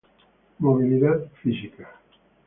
movilidad física